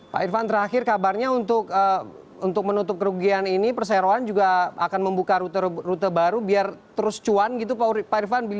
pak irfan terakhir kabarnya untuk menutup kerugian ini perseroan juga akan membuka rute baru biar terus cuan gitu pak irfan